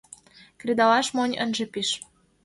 — Кредалаш монь ынже пиж.